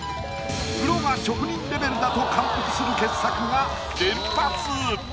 プロが職人レベルだと感服する傑作が連発。